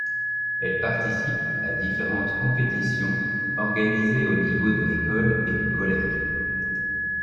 Elle participe à différentes compétitions organisées au niveau de l'école et du collège.